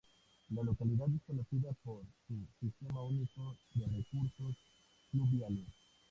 La localidad es conocida por su sistema único de recursos fluviales.